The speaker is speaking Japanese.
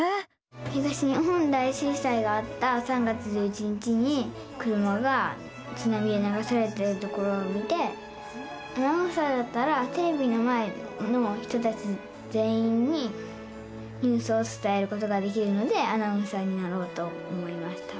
東日本大震災があった３月１１日に車がつなみでながされてるところを見てアナウンサーだったらテレビの前の人たち全員にニュースをつたえることができるのでアナウンサーになろうと思いました。